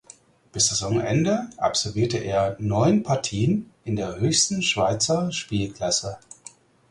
Bis Saisonende absolvierte er neun Partien in der höchsten Schweizer Spielklasse.